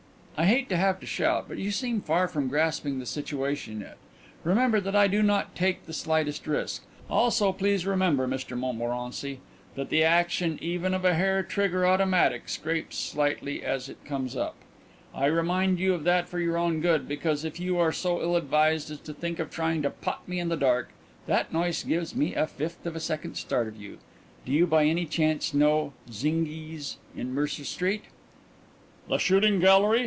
I hate to have to shout, but you seem far from grasping the situation yet. Remember that I do not take the slightest risk. Also please remember, Mr Montmorency, that the action even of a hair trigger automatic scrapes slightly as it comes up. I remind you of that for your own good, because if you are so ill advised as to think of trying to pot me in the dark, that noise gives me a fifth of a second start of you. Do you by any chance know Zinghi's in Mercer Street?" "The shooting gallery?"